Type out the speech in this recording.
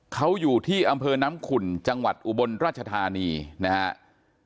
เขาอยู่ที่อำเภอน้ำขุ่นจังหวัดอุบลราชธานีนะครับ